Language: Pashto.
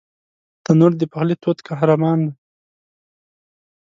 تنور د پخلي تود قهرمان دی